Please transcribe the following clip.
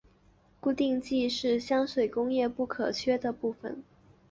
固定剂是香水工业不可或缺的部份。